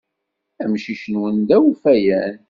Amcic-nwen d awfayan.